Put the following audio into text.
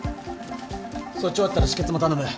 そっち終わったら止血も頼む。